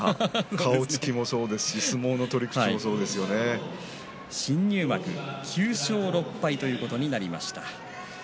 顔つきもそうですし新入幕９勝６敗ということになりました。